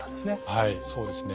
はいそうですね。